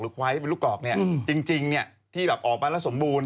หรือควายที่เป็นลูกกรอกเนี่ยจริงที่ออกปั้นแล้วสมบูรณ์